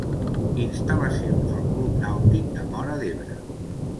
Instal·lacions del Club Nàutic de Móra d'Ebre.